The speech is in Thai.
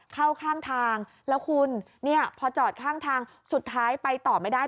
เข้าข้างทางแล้วคุณเนี่ยพอจอดข้างทางสุดท้ายไปต่อไม่ได้